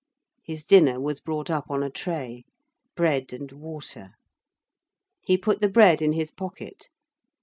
His dinner was brought up on a tray bread and water. He put the bread in his pocket.